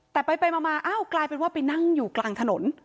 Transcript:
แต่ไปมาอ้าวกลายเป็นว่าไปนั่งอยู่กลางถนน